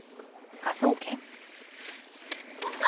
所長！